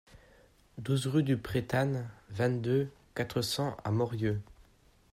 douze rue du Pretanne, vingt-deux, quatre cents à Morieux